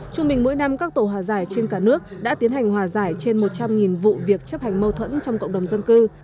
trung bình mỗi năm các tổ hòa giải trên cả nước đã tiến hành hòa giải trên một trăm linh vụ việc chấp hành mâu thuẫn trong cộng đồng dân cư